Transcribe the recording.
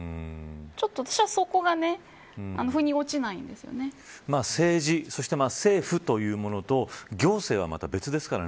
ちょっと私は、そこが政治、そして政府というものと行政は、また別ですから。